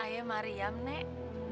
ayah mariam nek